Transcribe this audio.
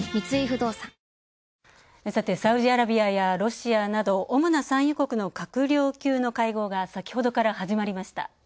サウジアラビアやロシアなど主な産油国の閣僚級の会合が先ほどから始まりました。